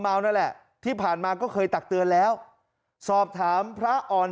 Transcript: เมานั่นแหละที่ผ่านมาก็เคยตักเตือนแล้วสอบถามพระอ่อน